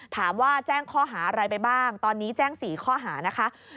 แจ้งข้อหาอะไรไปบ้างตอนนี้แจ้ง๔ข้อหานะคะ